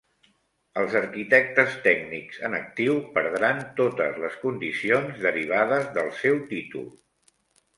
Els arquitectes tècnics en actiu perdran totes les condicions derivades del seu títol.